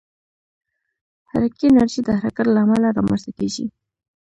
حرکي انرژي د حرکت له امله رامنځته کېږي.